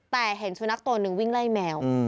แต่เห็นสุนัขตัวหนึ่งวิ่งไล่แมว